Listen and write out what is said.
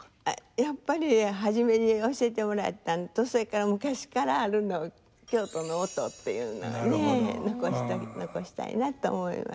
やっぱり初めに教えてもらったんとそれから昔からある京都の音っていうのね残したいなと思います。